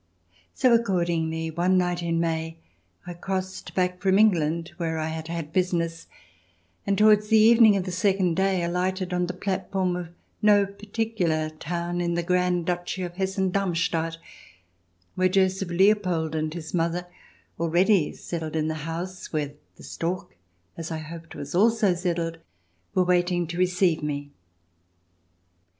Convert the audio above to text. So accordingly, one night in May, I crossed back from England, where I had had business, and towards the evening of the second day alighted on the platform of no particular town in the Grand Duchy of Hessen Darmstadt, where Joseph Leopold and his mother, already settled in the house where the stork — as I hoped — was also settled, were wait ing to receive me.